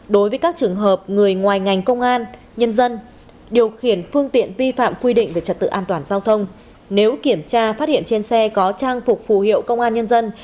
đối với các trường hợp người ngoài ngành công an nhân dân điều khiển phương tiện vi phạm quy định về trật tự an toàn giao thông nếu kiểm tra phát hiện trên xe có trang phục phù hiệu công an nhân dân